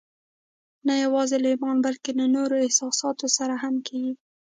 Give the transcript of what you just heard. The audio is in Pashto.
نه يوازې له ايمان بلکې له نورو احساساتو سره هم کېږي.